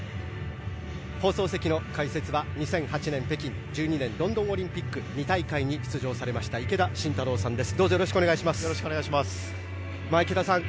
放送席の解説は２００８年、北京１２年、ロンドンオリンピック２大会に出場された池田信太郎さんです。